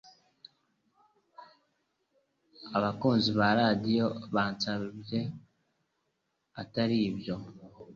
abakunzi ba Radio bansabye atari ibyo